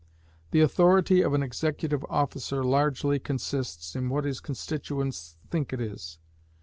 The authority of an executive officer largely consists in what his constituents think it is.